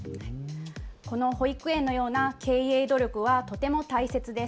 この保育園のような経営努力はとても大切です。